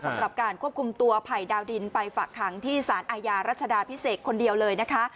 สำหรับการควบคุมตัวไผ่ดาวดินไปฝากขังที่สารอาญารัชดาพิเศษคนเดียวเลยนะคะ